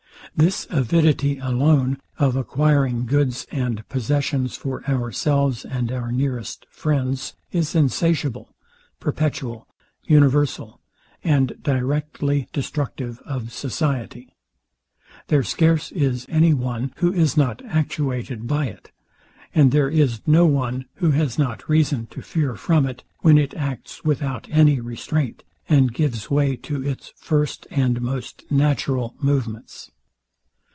This avidity alone, of acquiring goods and possessions for ourselves and our nearest friends, is insatiable, perpetual, universal, and directly destructive of society. There scarce is any one, who is not actuated by it; and there is no one, who has not reason to fear from it, when it acts without any restraint, and gives way to its first and most natural movements.